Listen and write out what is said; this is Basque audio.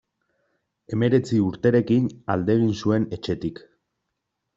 Hemeretzi urterekin alde egin zuen etxetik.